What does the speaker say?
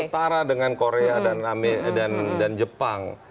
setara dengan korea dan jepang